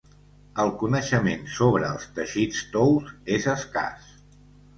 El coneixement sobre els teixits tous és escàs.